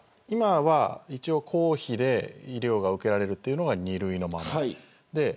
今は一応、公費で医療が受けられるというのが２類。